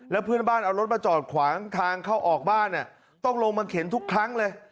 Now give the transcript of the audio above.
แล้วเพื่อนบ้านเอารถมาจอดขวางทางเข้าออกบ้านต้องลงมาเข็นทุกครั้งเลย